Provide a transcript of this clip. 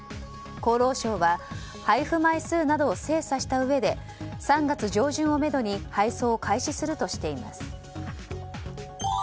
厚労省は配布枚数などを精査したうえで３月上旬をめどに配送を開始するとしています。